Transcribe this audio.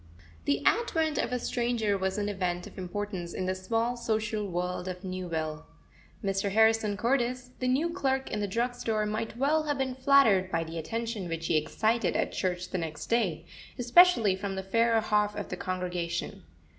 The advent of a stranger was an event of importance in the small social world of Newville. Mr. Harrison Cordis, the new clerk in the drug store, might well have been flattered by the attention which he excited at church the next day, especially from the fairer half of the congregation.